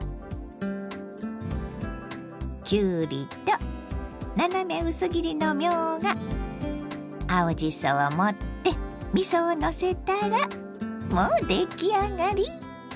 きゅうりと斜め薄切りのみょうが青じそを盛ってみそをのせたらもう出来上がり！